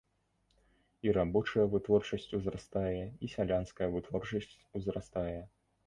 І рабочая вытворчасць узрастае, і сялянская вытворчасць узрастае.